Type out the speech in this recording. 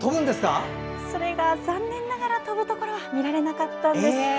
残念ながら、飛ぶところは見られなかったんです。